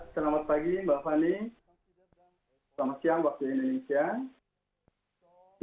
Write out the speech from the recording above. selamat pagi mbak fani selamat siang waktu indonesia